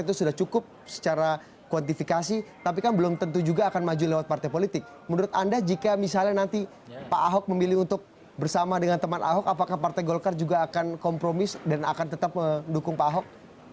itu sudah cukup secara kuantifikasi tapi kan belum tentu juga akan maju lewat partai politik menurut anda jika misalnya nanti pak ahok memilih untuk bersama dengan teman ahok apakah partai golkar juga akan kompromis dan akan tetap mendukung pak ahok